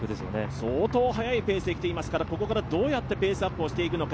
相当速いペースできていますからここからどうやってペースアップしていくのか。